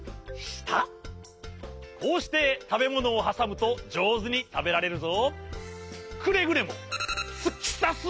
こうしてたべものをはさむとじょうずにたべられるぞ。